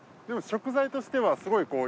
でも食材としてはすごい。